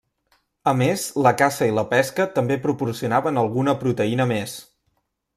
A més la caça i la pesca també proporcionaven alguna proteïna més.